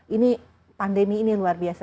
ini pandemi ini luar biasa